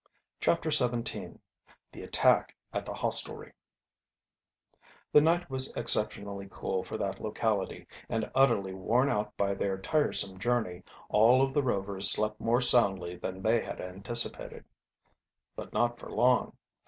CHAPTER XVII THE ATTACK AT THE HOSTELRY The night was exceptionally cool for that locality; and, utterly worn out by their tiresome journey, all of the Rovers slept more soundly than they had anticipated. But not for long.